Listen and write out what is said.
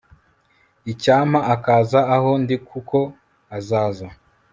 Icyampa akaza aho ndiKuko azaza